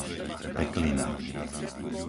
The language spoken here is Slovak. Peklina